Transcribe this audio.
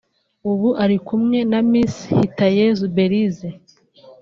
ubu ari kumwe na Miss Hitayezu Belyse